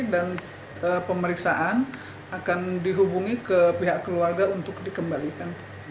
dan pemeriksaan akan dihubungi ke pihak keluarga untuk dikembalikan